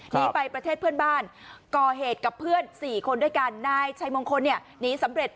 หนีไปประเทศเพื่อนบ้านก่อเหตุกับเพื่อนสี่คนด้วยกันนายชัยมงคลเนี่ยหนีสำเร็จ